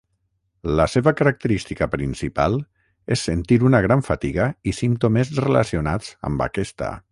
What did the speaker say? La seva característica principal és sentir una gran fatiga i símptomes relacionats amb aquesta.